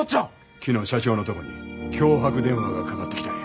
昨日社長のとこに脅迫電話がかかってきたんや。